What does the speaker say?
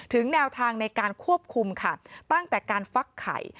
แนวทางในการควบคุมค่ะตั้งแต่การฟักไข่